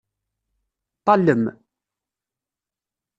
Ṭṭalem!